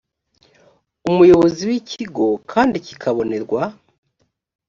umuyobozi w ikigo kandi kikabonerwa